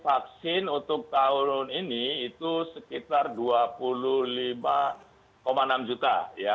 vaksin untuk tahun ini itu sekitar dua puluh lima enam juta